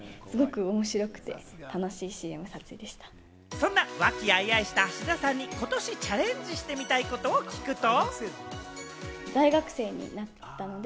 そんな和気あいあいした芦田さんに、今年チャレンジしてみたいことを聞くと。